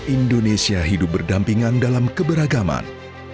indonesia hidup berdampingan dalam keberagaman